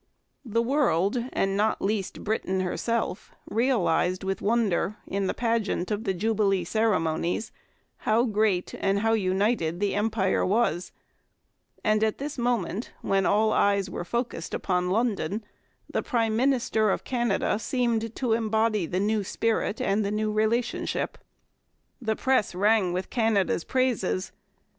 The world, and not least Britain herself, realized with wonder, in the pageant of the Jubilee ceremonies, how great and how united the Empire was; and, at this moment, when all eyes were focussed upon London, the prime minister of Canada seemed to embody the new spirit and the new relationship. The press rang with Canada's praises.